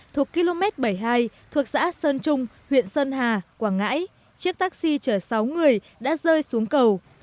thuộc km bảy mươi hai thuộc xã sơn trung huyện sơn hà quảng ngãi chiếc taxi chở sáu người đã rơi xuống cầu